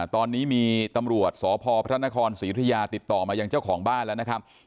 ตอนนี้มีตำรวจสพพระนครศรียุธยาติดต่อมายังเจ้าของบ้านแล้วนะครับ